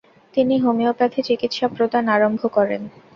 তিনি হোমিওপ্যাথি চিকিৎসা প্রদান আরম্ভ করেন।